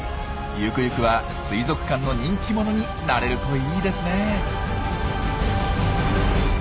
ゆくゆくは水族館の人気者になれるといいですね。